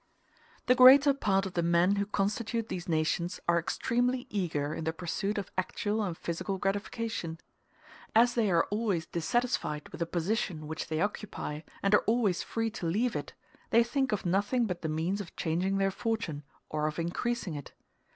The greater part of the men who constitute these nations are extremely eager in the pursuit of actual and physical gratification. As they are always dissatisfied with the position which they occupy, and are always free to leave it, they think of nothing but the means of changing their fortune, or of increasing it.